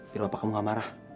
biar apa kamu gak marah